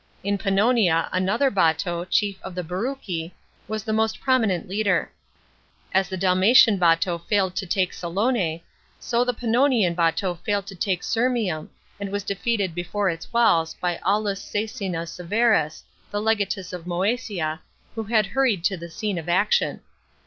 In Pan nonia, another Bato, chief of the Breuci, was the most prominent leader. As the Dalmatian Bato failed to take Salonse, so the Pannonian Bn'o failed to take Sirmium, and was defeated before its 6 8 A.D. PANNONIAN REBELLION. 133 walls by Aulus Caecina Severus, the legatus of Moesia, wlio had hurried to the scene of action.